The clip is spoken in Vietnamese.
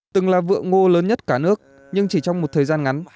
từng là vựa ngô lớn nhất cả nước nhưng chỉ trong một thời gian ngắn